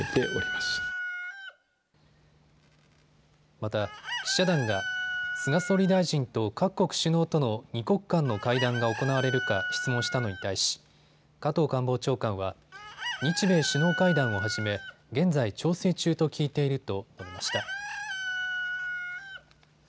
また、記者団が菅総理大臣と各国首脳との２国間の会談が行われるか質問したのに対し、加藤官房長官は日米首脳会談をはじめ現在、調整中と聞いていると述べました。